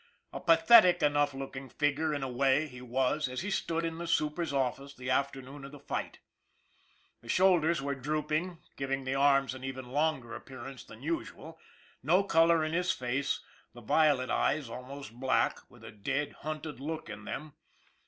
A pathetic enough looking figure, in a way, he was, as he stood in the super's office the afternoon of the fight. The shoulders were drooping giving the arms an even longer appearance than usual, no color in his face, the violet eyes almost black, with a dead, hunted look in them.